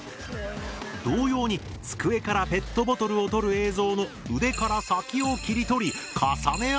同様に机からペットボトルを取る映像の腕から先を切り取り重ね合わせる。